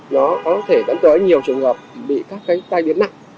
nó có thể dẫn tới nhiều trường hợp bị các cái tai biến nặng